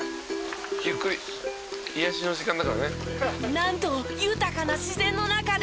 なんと豊かな自然の中で。